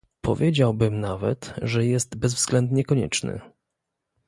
Powiedziałbym nawet, że jest bezwzględnie konieczny